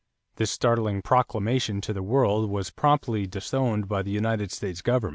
This startling proclamation to the world was promptly disowned by the United States government.